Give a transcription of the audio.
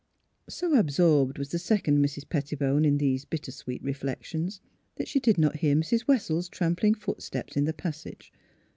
So absorbed was the second Mrs. Pettibone in these bitter sweet reflections that she did not hear Mrs. Wessels' trampling footsteps in the passage.